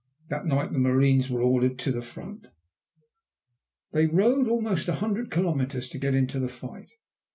That night the marines were ordered to the front. They rode almost a hundred kilometres to get into the fight.